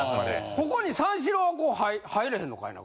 ここに三四郎は入れへんのかいな？